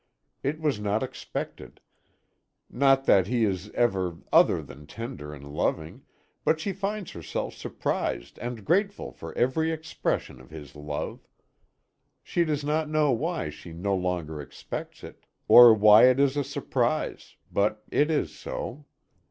It was not expected; not that he is ever other than tender and loving, but she finds herself surprised and grateful for every expression of his love. She does not know why she no longer expects it, or why it is a surprise, but it is so.